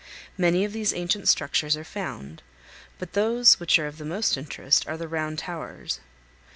Many of these ancient structures are found, but those which are of the most interest are the round towers.